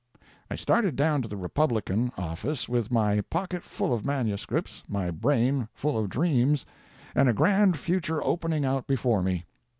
] I started down to the "Republican" office with my pocket full of manuscripts, my brain full of dreams, and a grand future opening out before me.